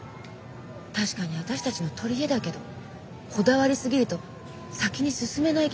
確かに私たちの取り柄だけどこだわりすぎると先に進めない気がするの。